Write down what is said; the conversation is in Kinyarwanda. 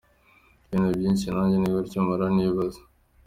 ibintu byinshi nanjye ni gutyo mpora nibaza.